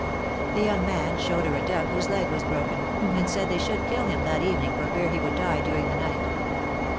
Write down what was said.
The young man showed her a duck whose leg was broken, and said they should kill him that evening for fear he would die during the night.